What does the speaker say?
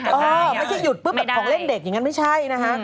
กระทันหันหันไม่ได้ไม่ใช่หยุดแบบของเล่นเด็กอย่างนั้นไม่ใช่